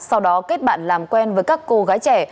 sau đó kết bạn làm quen với các cô gái trẻ